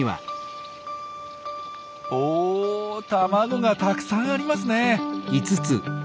お卵がたくさんありますね。